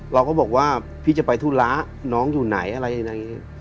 เราก็บอกว่าพี่จะไปธุระน้องอยู่ไหนอะไรยังไง